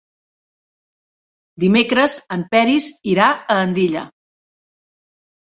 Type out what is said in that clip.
Dimecres en Peris irà a Andilla.